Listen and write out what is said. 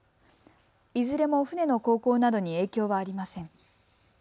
いずれも船の航行などに影響はありません。